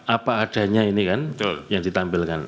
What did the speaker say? apa adanya ini kan yang ditampilkan